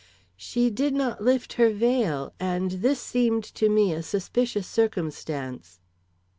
"She did not lift her veil, and this seemed to me a suspicious circumstance."